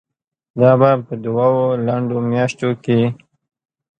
دا به په دوو لنډو میاشتو کې